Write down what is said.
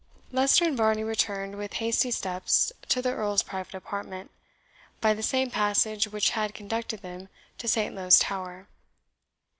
Leicester and Varney returned with hasty steps to the Earl's private apartment, by the same passage which had conducted them to Saintlowe's Tower.